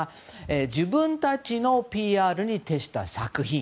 自分たちのＰＲに徹した作品。